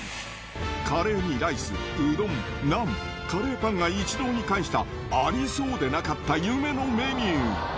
カレーにライス、うどん、ナン、カレーパンが一堂に会した、ありそうでなかった夢のメニュー。